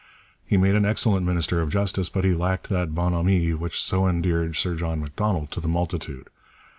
He made an excellent minister of Justice, but he lacked that bonhomie which so endeared Sir John Macdonald to the multitude.